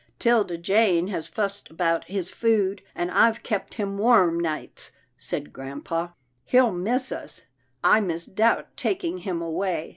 " 'Tilda Jane has fussed about his food, and I've kept him warm nights," said grampa. " He'll miss us — I misdoubt taking him away.